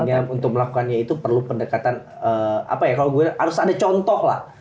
misalnya untuk melakukannya itu perlu pendekatan apa ya kalau harus ada contoh lah